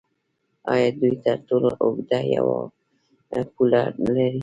آیا دوی تر ټولو اوږده پوله نلري؟